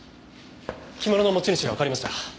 着物の持ち主がわかりました。